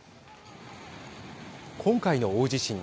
今回の大地震。